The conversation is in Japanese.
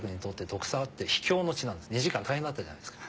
２時間大変だったじゃないですか。